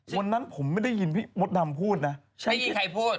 วันนั้นผมไม่ได้ยินพี่มดดำพูดนะไม่มีใครพูด